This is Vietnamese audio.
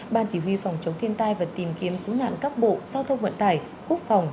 ban chỉ huy phòng chống thiên tai và tìm kiếm cứu nạn các bộ giao thông vận tải quốc phòng